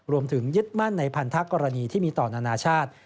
รวมถึงยึดมั่นในพันธกรณีที่มีตอนอนาชาติ